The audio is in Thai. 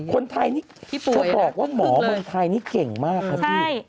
คนไทยนี่เขาบอกว่าหมอเมืองไทยนี่เก่งมากครับพี่